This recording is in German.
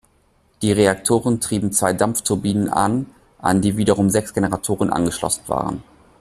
Die Reaktoren trieben zwei Dampfturbinen an, an die wiederum sechs Generatoren angeschlossen waren.